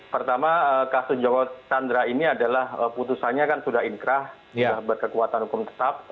pertama kasus joko chandra ini adalah putusannya kan sudah inkrah sudah berkekuatan hukum tetap